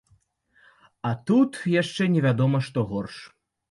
А тут яшчэ невядома што горш.